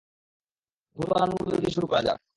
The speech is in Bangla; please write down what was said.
ভুল বানানগুলো দিয়ে শুরু করা যাক।